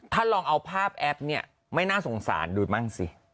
ถ้าลองเอาภาพแอปเนี่ยไม่น่าสงสารดูมั่งสิ